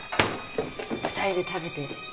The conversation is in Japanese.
２人で食べて。